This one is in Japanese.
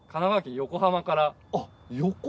横浜から？